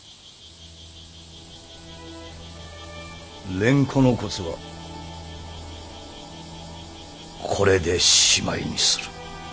蓮子のこつはこれでしまいにする。